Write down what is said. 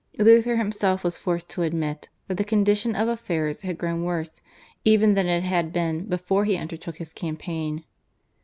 Luther himself was forced to admit that the condition of affairs had grown worse even than it had been before he undertook his campaign.